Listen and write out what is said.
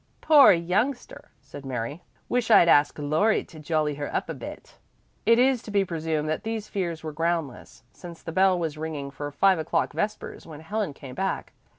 "Poor youngster!" said Mary. "Wish I'd asked Laurie to jolly her up a bit." It is to be presumed that these fears were groundless, since the bell was ringing for five o'clock vespers when Helen came back.